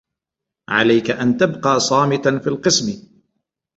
عليك أن تبقى صامتا في القسم.